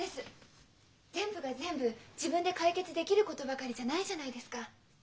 全部が全部自分で解決できることばかりじゃないじゃないですか。